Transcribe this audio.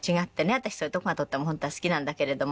私そういうとこがとっても本当は好きなんだけれども。